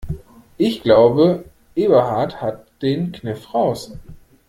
Ich glaube, Eberhard hat den Kniff raus.